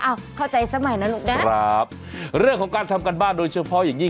อ้าวเข้าใจซะใหม่นะลูกแด๊ะนะครับเรื่องของการทำการบ้านโดยเฉพาะอย่างนี้